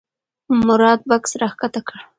مراد بکس راښکته کړ.